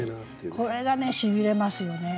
これがねしびれますよね。